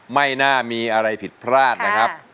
ไม่น่ามีอะไรผิดพลาดนะครับ